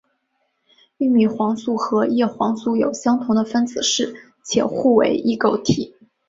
玉米黄素和叶黄素有相同的分子式且互为异构体。